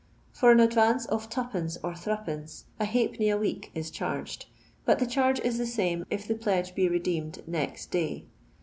For an advance of 2d. or Zd., a halfpenny a week is charged, but the charge is the same if the pledge be redeemed next day.